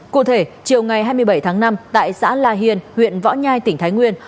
cụ thể chiều ngày hai mươi bảy tháng năm tại xã la hiền huyện võ nhai tỉnh thái nguyên